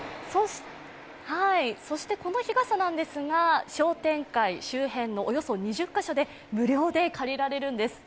そしてこの日傘なんですが商店街周辺のおよそ２０カ所で無料で借りられるんです。